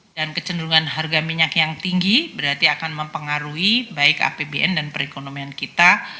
dan kecenderungan harga minyak yang tinggi berarti akan mempengaruhi baik apbn dan perekonomian kita